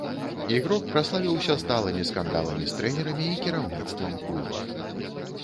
Ігрок праславіўся сталымі скандаламі з трэнерамі і кіраўніцтвам клуба.